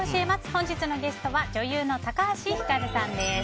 本日のゲストは女優の高橋ひかるさんです。